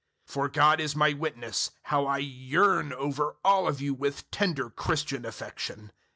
001:008 For God is my witness how I yearn over all of you with tender Christian affection.